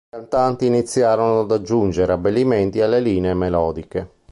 I cantanti iniziarono ad aggiungere abbellimenti alle linee melodiche.